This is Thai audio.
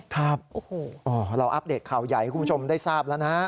ครับเราอัปเดตข่าวใหญ่คุณผู้ชมได้ทราบแล้วนะ